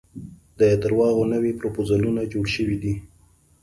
د درواغو نوي پرفوزلونه جوړ شوي دي.